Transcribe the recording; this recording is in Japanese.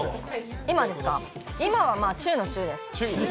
今は中の中です。